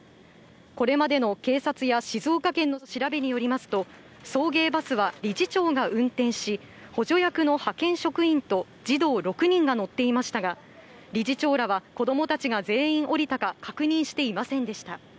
これまでの警察や静岡県の調べによりますと、送迎バスは理事長が運転し、補助役の派遣職員と児童６人が乗っていましたが、理事長らは子供たちが全員降りたか確認していませんでした。